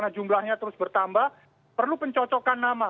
jumlahnya terus bertambah perlu pencocokan nama